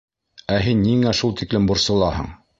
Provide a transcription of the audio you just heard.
Ә һин ниңә шул тиклем борсолаһың?